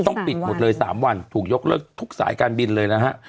ต้องปิดหมดเลย๓วันถูกยกเลิกทุกสายการบินเลยนะฮะ